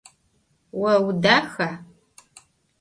Vo vudaxa?